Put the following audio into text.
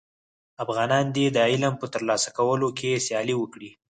افغانان دي د علم په تر لاسه کولو کي سیالي وکړي.